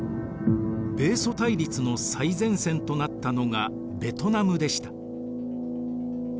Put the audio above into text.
米ソ対立の最前線となったのがベトナムでした。